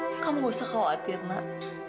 kamu nggak usah khawatir nak